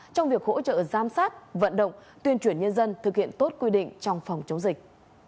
trong việc hỗ trợ giám sát vận động tuyên truyền nhân dân thực hiện tốt quy định trong phòng chống dịch